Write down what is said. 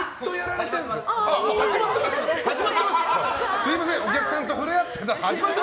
すみませんお客さんと触れ合ってました。